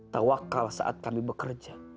tawakkal saat kami bekerja